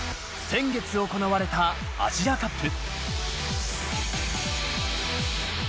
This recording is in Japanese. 先月行われたアジアカップ。